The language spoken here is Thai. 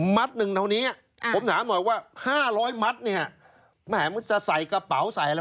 หนึ่งเท่านี้ผมถามหน่อยว่า๕๐๐มัตต์เนี่ยแหมมันจะใส่กระเป๋าใส่อะไร